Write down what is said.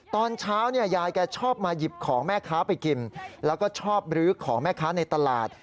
ตอนเช้าเนี่ยยายแกชอบมาหยิบของแม่ค้าไปกินแล้วก็ชอบรื้อของแม่ค้าในตลาด